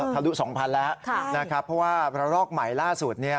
ทะลุ๒๐๐๐แล้วนะครับเพราะว่าระลอกใหม่ล่าสุด